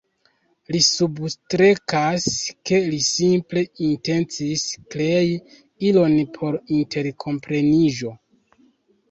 Li substrekas, ke li simple intencis krei ilon por interkompreniĝo.